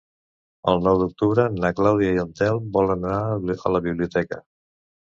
El nou d'octubre na Clàudia i en Telm volen anar a la biblioteca.